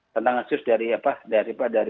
tantangan serius dari pemerintah